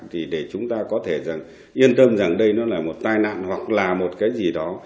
thì để chúng ta có thể yên tâm rằng đây nó là một tai nạn hoặc là một cái gì đó